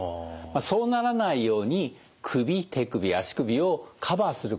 そうならないように首手首足首をカバーすることが大切だと思うんです。